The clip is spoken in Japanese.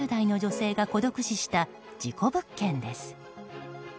８０代の女性が孤独死した事故物件です。